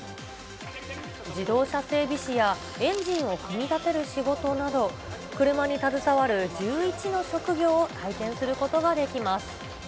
自動車整備士やエンジンを組み立てる仕事など、車に携わる１１の職業を体験することができます。